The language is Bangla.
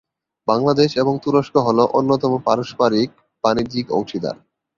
বাংলাদেশ এবং তুরস্ক হল অন্যতম পারস্পারিক বাণিজ্যিক অংশীদার।